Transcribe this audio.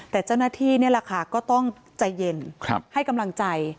แต่เจ้าหน้าที่นี่แหละค่ะก็ต้องใจเย็นให้กำลังใจ